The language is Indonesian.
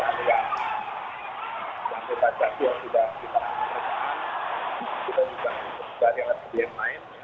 kita juga mencari alat bukti yang lain